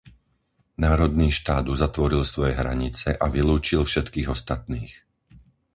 Národný štát uzatvoril svoje hranice a vylúčil všetkých ostatných.